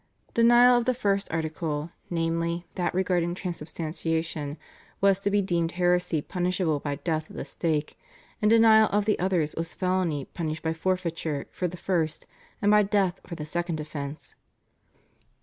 Denial of the first article, namely, that regarding Transubstantiation, was to be deemed heresy punishable by death at the stake, and denial of the others was felony punishable by forfeiture for the first and by death for the second offence.